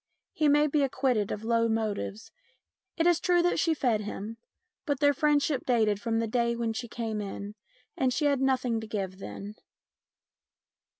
He may be acquitted of low motives. It is true that she fed him, but their friendship dated from the day when she came in, and she had nothing to give then.